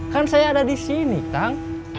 kan saya ada di sini kang